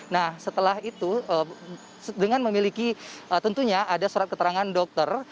nah setelah itu dengan memiliki tentunya ada surat keterangan dokter